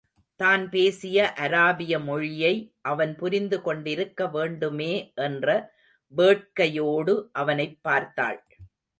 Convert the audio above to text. தான் பேசிய அராபிய மொழியை அவன் புரிந்து கொண்டிருக்க வேண்டுமே என்ற வேட்கையோடு அவனைப் பார்த்தாள்.